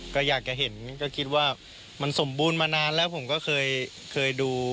ก็อยากจะเห็นก็คิดว่ามันสมบูรณ์มานานแล้วผมก็เคยดู